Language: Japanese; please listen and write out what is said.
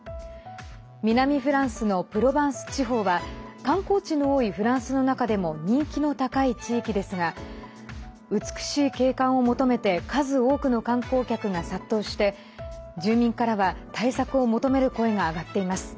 南フランスのプロバンス地方は観光地の多いフランスの中でも人気の高い地域ですが美しい景観を求めて数多くの観光客が殺到して住民からは対策を求める声が上がっています。